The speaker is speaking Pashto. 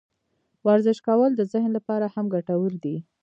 ورزش کول د ذهن لپاره هم ګټور دي.